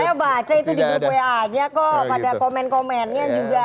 saya baca itu di grup wa aja kok pada komen komennya juga